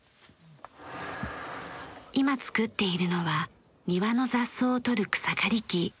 今作っているのは庭の雑草を取る草刈機。